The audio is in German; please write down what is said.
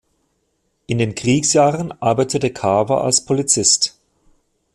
In den Kriegsjahren arbeitete Carver als Polizist.